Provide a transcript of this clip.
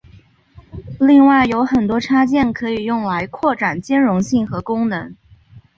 另外有很多插件可以用来扩展兼容性和功能。